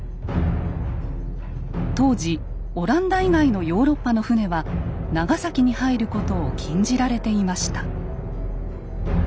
当時オランダ以外のヨーロッパの船は長崎に入ることを禁じられていました。